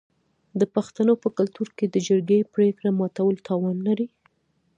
د پښتنو په کلتور کې د جرګې پریکړه ماتول تاوان لري.